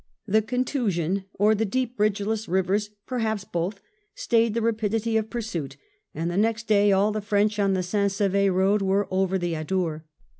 The contusion, or the deep bridgeless rivers, perhaps both, stayed the rapidity of pursuit, and the next day all the French on the St. Sever road were over the Adour.